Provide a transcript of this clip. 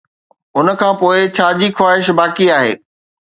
ان کان پوء، ڇا جي خواهش باقي آهي؟